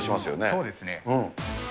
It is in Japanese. そうですね。